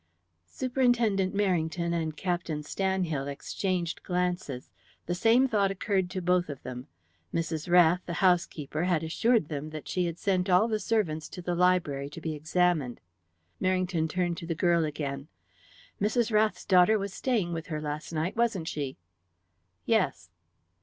Superintendent Merrington and Captain Stanhill exchanged glances. The same thought occurred to both of them. Mrs. Rath, the housekeeper, had assured them that she had sent all the servants to the library to be examined. Merrington turned to the girl again. "Mrs. Rath's daughter was staying with her last night, wasn't she?" "Yes."